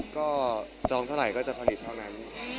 ก็จองเท่าไหร่ก็จะผลิตเท่านั้น